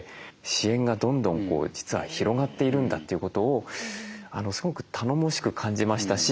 支援がどんどん実は広がっているんだということをすごく頼もしく感じましたし